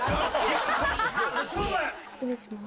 失礼します。